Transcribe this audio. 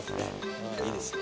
いいですよね。